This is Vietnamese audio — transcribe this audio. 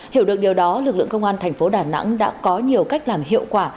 hiểu được điều đó lực lượng công an thành phố đà nẵng đã có nhiều cách làm hiệu quả